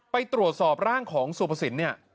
ไปตรวจสอบร่างของสุภสินเนี่ย